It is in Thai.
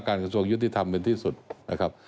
กระทรวงยุติธรรมเป็นที่สุดนะครับ